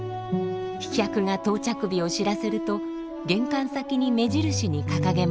飛脚が到着日を知らせると玄関先に目印に掲げました。